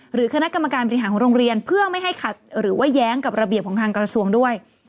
หรือคณะกรรมการบริหารของโรงเรียนเพื่อไม่ให้ขัดหรือว่าแย้งกับระเบียบของทางกระทรวงด้วย